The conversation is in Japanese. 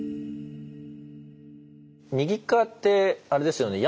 右側ってあれですよね